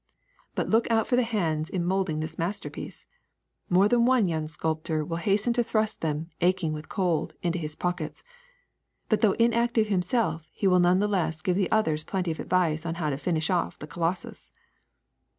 But look out for the hands in modeling this masterpiece ! More than one young sculptor will hasten to thrust them, aching with cold, into his pockets. But, though inactive himself, he will none the less give the others plenty of advice on how to finish off the colossus.